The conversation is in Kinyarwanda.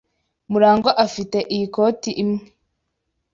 Murangwa afite iyi koti imwe.